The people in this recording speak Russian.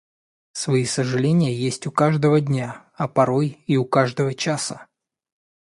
Свои сожаления есть у каждого дня, а порой и у каждого часа.